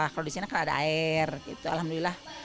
kalau di sini kalau ada air gitu alhamdulillah